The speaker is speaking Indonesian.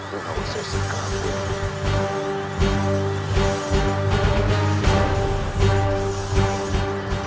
surawi sese kabur